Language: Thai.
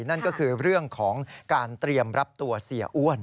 นั่นก็คือเรื่องของการเตรียมรับตัวเสียอ้วน